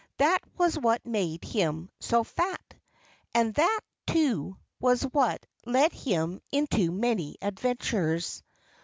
That was what made him so fat. And that, too, was what led him into many adventures.